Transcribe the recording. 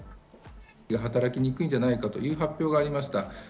働きにくいんじゃないかという発表がありました。